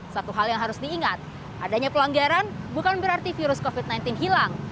satu hal yang harus diingat adanya pelanggaran bukan berarti virus covid sembilan belas hilang